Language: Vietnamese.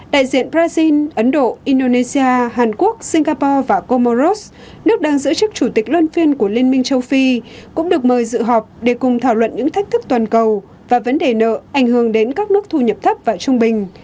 đại diện brazil ấn độ indonesia hàn quốc singapore và comoros nước đang giữ chức chủ tịch luân phiên của liên minh châu phi cũng được mời dự họp để cùng thảo luận những thách thức toàn cầu và vấn đề nợ ảnh hưởng đến các nước thu nhập thấp và trung bình